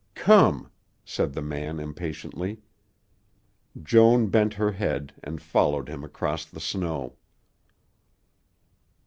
"Come," said the man impatiently. Joan bent her head and followed him across the snow.